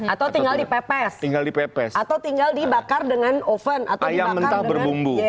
atau tinggal dipepes tinggal dipepes atau tinggal dibakar dengan oven atau ayam mentah berbumbu